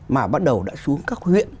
mà bắt đầu đã xuống các huyện